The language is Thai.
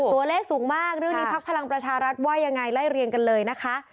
ตัวเลขสูงมากเรื่องนี้พักพลังประชารัฐว่ายังไงไล่เรียงกันเลยนะคะ